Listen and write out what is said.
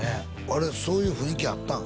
あれそういう雰囲気あったん？